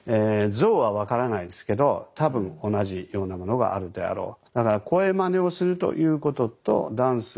ゾウは分からないですけど多分同じようなものがあるであろう。